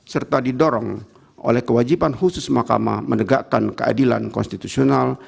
serta didorong oleh kewajiban khusus mahkamah menegakkan keadilan konstitusional